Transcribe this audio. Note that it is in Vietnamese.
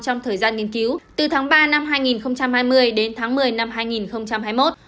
trong thời gian nghiên cứu từ tháng ba năm hai nghìn hai mươi đến tháng một mươi năm hai nghìn hai mươi một